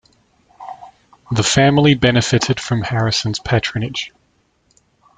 The family benefited from Harrison's patronage.